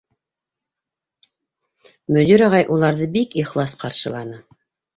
Мөдир ағай уларҙы бик ихлас ҡаршыланы: